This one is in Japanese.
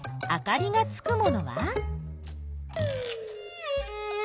あかりがつくものは？